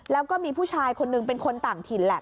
แล้วก็มีผู้ชายคนนึงเป็นคนต่างถิ่นแหละ